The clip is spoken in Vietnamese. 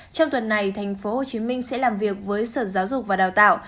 trong tuần này tp hcm sẽ làm việc với sở giáo dục và đào tạo